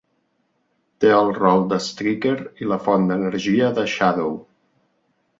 Té el rol de Striker i la font d'energia de Shadow.